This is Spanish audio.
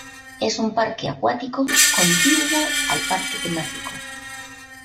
Es un parque acuático contiguo al parque temático.